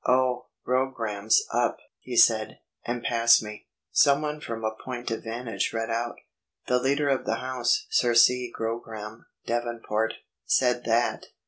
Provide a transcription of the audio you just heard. "Oh, Grogram's up," he said, and passed me. Someone from a point of vantage read out: "The Leader of the House (Sir C. Grogram, Devonport) said that...."